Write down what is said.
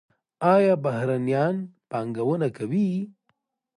آیا بهرنیان پانګونه کوي؟